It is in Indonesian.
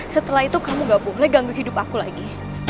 setelah itu kamu gak boleh ganggu hidup aku lagi